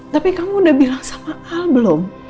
tapi kamu udah bilang sama hal belum